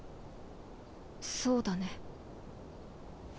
そうだね。